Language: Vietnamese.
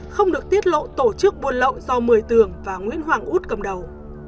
không được tiết lộ tổ chức buôn lậu do một mươi tường và nguyễn hoàng út cầm đầu